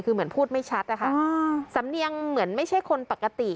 คือเหมือนพูดไม่ชัดนะคะสำเนียงเหมือนไม่ใช่คนปกติ